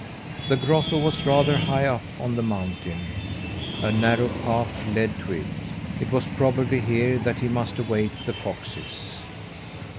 The grotto was rather high up on the mountain. A narrow path led to it. It was probably here that he must await the foxes.